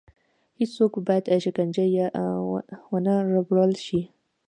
هېڅوک باید شکنجه یا ونه ربړول شي.